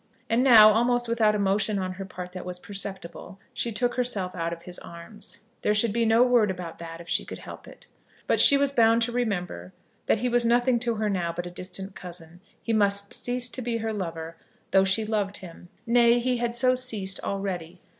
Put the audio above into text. And now, almost without a motion on her part that was perceptible, she took herself out of his arms. There should be no word about that if she could help it, but she was bound to remember that he was nothing to her now but a distant cousin. He must cease to be her lover, though she loved him. Nay, he had so ceased already.